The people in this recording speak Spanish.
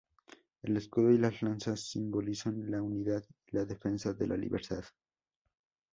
El escudo y las lanzas simbolizan la unidad y la defensa de la libertad.